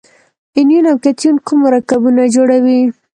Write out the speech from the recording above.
انیون او کتیون کوم مرکبونه جوړوي؟